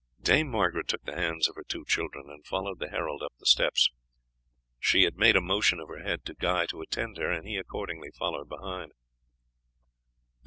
Dame Margaret took the hands of her two children and followed the herald up the steps. She had made a motion of her head to Guy to attend her, and he accordingly followed behind.